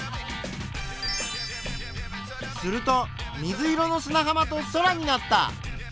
すると水色のすなはまと空になった。